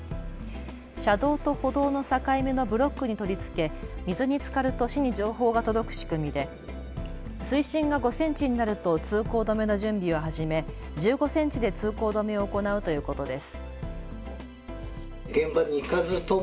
車道と歩道の境目のブロックに取り付け、水につかると市に情報が届く仕組みで水深が５センチになると通行止めの準備を始め、１５センチで通行止めを行うということです。